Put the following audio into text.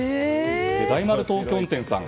大丸東京店さん